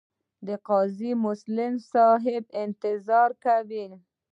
د قاضي مسلم صاحب انتظار کاوه.